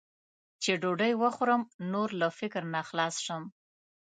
چې ډوډۍ وخورم، نور له فکر نه خلاص شم.